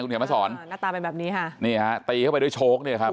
เดี๋ยวมาสอนหน้าตาเป็นแบบนี้ค่ะนี่ฮะตีเข้าไปด้วยโชคเนี่ยครับ